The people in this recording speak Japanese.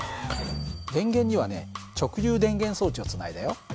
電源にはね直流電源装置をつないだよ。